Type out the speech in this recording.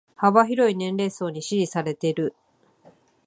幅広い年齢層に支持されてる